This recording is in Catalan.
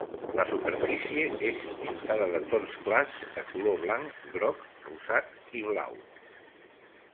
La superfície és pintada de tons clars de color blanc, groc, rosat i blau.